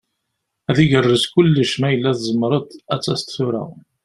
Ad igerrez kullec ma yella tzemreḍ ad d-taseḍ tura.